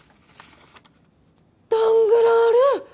ダングラール！